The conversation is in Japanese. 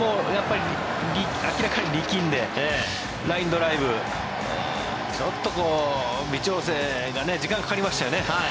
明らかに力んでラインドライブちょっと微調整が時間かかりましたよね。